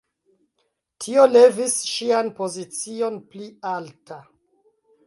Tio levis ŝian pozicion pli alta.